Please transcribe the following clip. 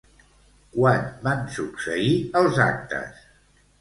Quan van succeir els actes?